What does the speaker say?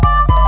kau mau kemana